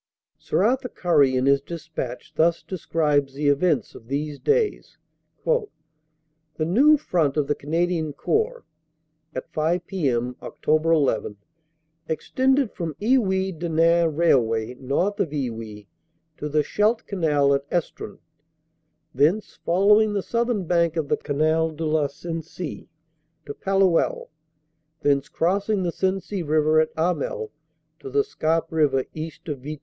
Sir Arthur Currie in his despatch thus describes the events of these days: "The new Front of the Canadian Corps (at 5 p.m. Oct. 1 1 ) extended from Iwuy Denain Railway, north of Iwuy, to the Scheldt Canal at Estrun, thence following the southern bank of the Canal de la Sensee to Palluel, thence crossing the Sensee River at Hamel to the Scarpe River east of Vitry.